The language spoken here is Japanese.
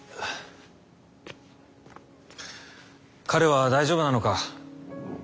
彼は大丈夫なのか？